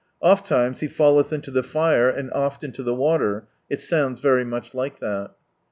"Ofitimes he falleth into the fire, and oft into the water," it sounds very much like that.